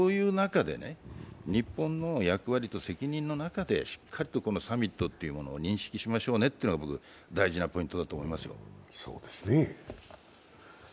そういう中で、日本の役割と責任の中でしっかりとこのサミットというものを認識しましょうというのが大事なポイントだと思いますよ。